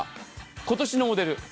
今年のモデル。